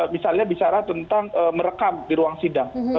misalnya bicara tentang merekam di ruang sidang